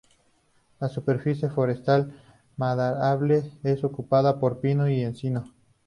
La superficie forestal maderable, es ocupada por pino y encino.